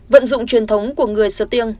vận dụng truyền thống của người sư tiêng